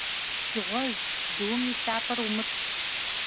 Дзыгъуэжь, дум и лъапэр умытӀ.